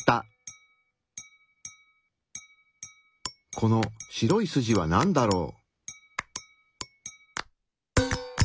この白い筋はなんだろう？